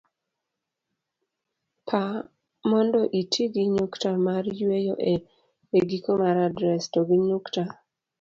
pa mondo iti gi nyukta mar yueyo e giko mar adres, to gi nukta